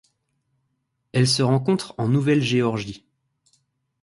Elle se rencontre en Nouvelle-Géorgie.